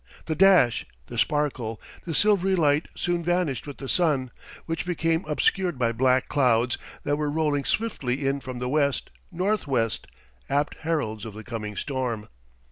The dash, the sparkle, the silvery light soon vanished with the sun, which became obscured by black clouds that were rolling swiftly in from the west, northwest; apt heralds of the coming storm.